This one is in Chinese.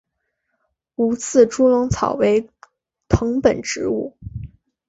无刺猪笼草为藤本植物。